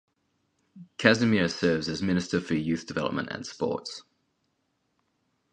Casimir serves as Minister for Youth Development and Sports.